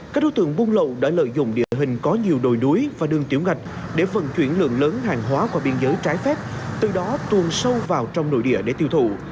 các đối tượng buôn lậu đã lợi dụng địa hình có nhiều đồi núi và đường tiểu ngạch để vận chuyển lượng lớn hàng hóa qua biên giới trái phép từ đó tuồn sâu vào trong nội địa để tiêu thụ